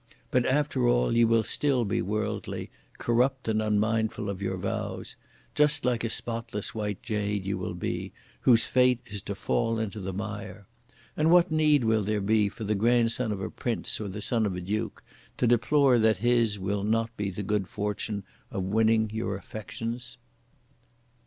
But after all you will still be worldly, corrupt and unmindful of your vows; just like a spotless white jade you will be whose fate is to fall into the mire! And what need will there be for the grandson of a prince or the son of a duke to deplore that his will not be the good fortune (of winning your affections)?